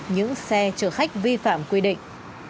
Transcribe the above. những xe chở khách vi phạm quy định